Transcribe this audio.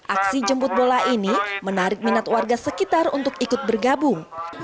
aksi jemput bola ini menarik minat warga sekitar untuk ikut bergabung